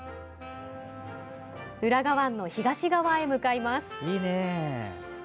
浦賀湾の東側へ向かいます。